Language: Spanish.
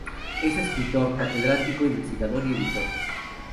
Es escritor, catedrático, investigador y editor.